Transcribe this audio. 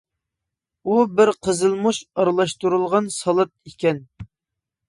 ئۇ بىر خىل قىزىلمۇچ ئارىلاشتۇرۇلغان سالات ئىكەن.